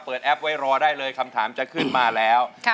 แอปไว้รอได้เลยคำถามจะขึ้นมาแล้ว